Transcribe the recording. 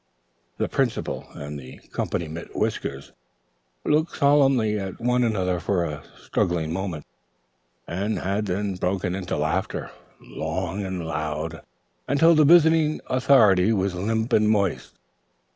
The Principal and "the comp'ny mit whiskers" looked solemnly at one another for a struggling moment, and had then broken into laughter, long and loud, until the visiting authority was limp and moist.